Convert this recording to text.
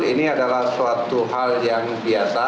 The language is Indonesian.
ini adalah suatu hal yang biasa